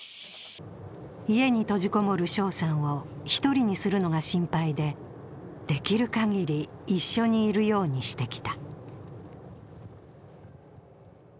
家に閉じこもる翔さんを１人にするのが心配でできるかぎり一緒にいるようにしてきた。